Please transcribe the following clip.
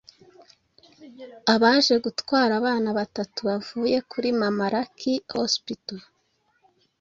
abaje gutwara abana batatu bavuye kuri mama lucy hospital,